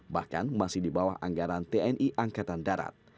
bahkan masih di bawah anggaran tni angkatan darat